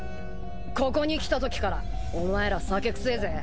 ここに来たときからお前ら酒臭えぜ。